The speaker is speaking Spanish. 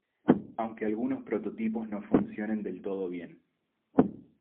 Aunque algunos prototipos no funcionen del todo bien.